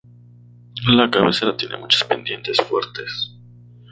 La cabecera tiene muchas pendientes fuertes.